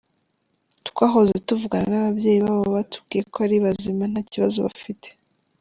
Twahoze tuvugana n’ababyeyi babo batubwiye ko ari bazima nta kibazo bafite.